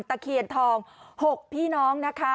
ตะเคียนทอง๖พี่น้องนะคะ